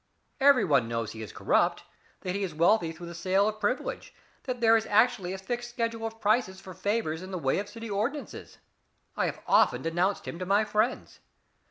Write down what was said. Every one knows he is corrupt, that he is wealthy through the sale of privilege, that there is actually a fixed schedule of prices for favors in the way of city ordinances. I have often denounced him to my friends.